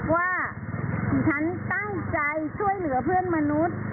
ว่าฉันตั้งใจช่วยเหลือเพื่อนมนุษย์